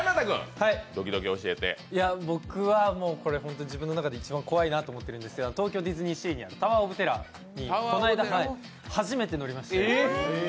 僕は、ホントに自分の中で一番怖いなと思ってるんですが、東京ディズニーシーにあるタワー・オブ・テラーにこの間、初めて乗りました。